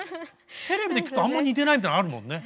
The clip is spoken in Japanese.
テレビで聞くとあんま似てないみたいなあるもんね。